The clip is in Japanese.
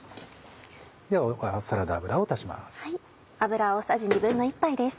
ではサラダ油を足します。